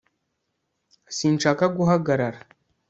sinshaka guhagarara